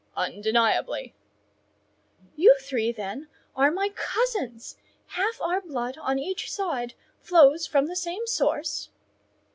"Undeniably." "You three, then, are my cousins; half our blood on each side flows from the same source?"